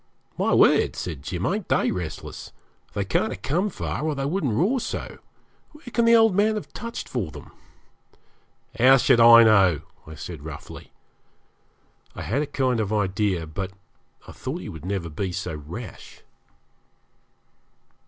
'My word,' said Jim, 'ain't they restless. They can't have come far, or they wouldn't roar so. Where can the old man have "touched" for them?' 'How should I know?' I said roughly. I had a kind of idea, but I thought he would never be so rash.